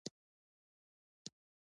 دا دښتې د جغرافیوي تنوع مثال دی.